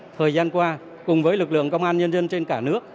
thời gian qua cùng với lực lượng công an nhân dân trên cả nước